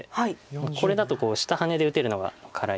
これだと下ハネで打てるのが辛い。